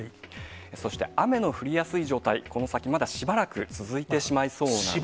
そして雨の降りやすい状態、この先まだしばらく続いてしまいそうなんですね。